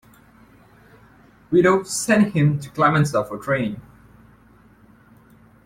Vito sent him to Clemenza for training.